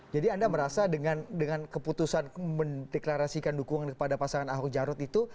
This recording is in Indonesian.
jadi anda merasa dengan keputusan mendeklarasikan dukungan kepada pasangan ahok jarut itu